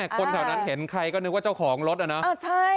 คนแถวนั้นเห็นใครก็นึกว่าเจ้าของรถอะเนาะ